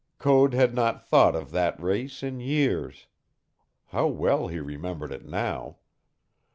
Code had not thought of that race in years. How well he remembered it now!